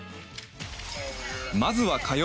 まずは火曜。